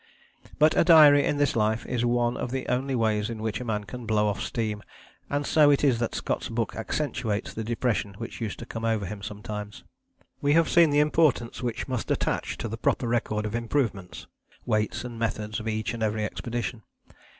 But a diary in this life is one of the only ways in which a man can blow off steam, and so it is that Scott's book accentuates the depression which used to come over him sometimes. We have seen the importance which must attach to the proper record of improvements, weights and methods of each and every expedition.